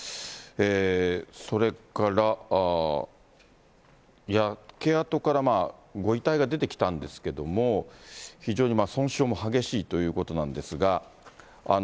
それから焼け跡からご遺体が出てきたんですけども、非常に損傷も激しいということなんですが。